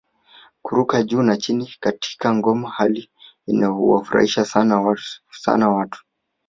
Kuruka juu na chini katika ngoma hali ianoyowafurahisha sana watu